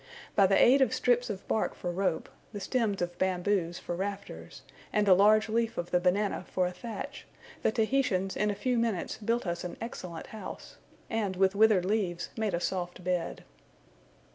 By the aid of strips of bark for rope, the stems of bamboos for rafters, and the large leaf of the banana for a thatch, the Tahitians in a few minutes built us an excellent house; and with withered leaves made a soft bed.